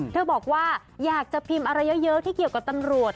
บอกว่าอยากจะพิมพ์อะไรเยอะที่เกี่ยวกับตำรวจ